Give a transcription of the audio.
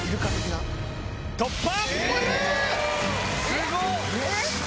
すごっ！